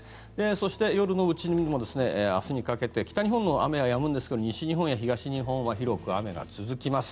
そして、明日にかけて北日本の雨はやむんですが西日本や東日本は広く雨が続きます。